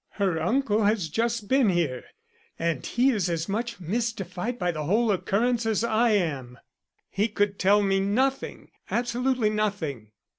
Her uncle has just been here and he is as much mystified by the whole occurrence as I am. He could tell me nothing, absolutely nothing."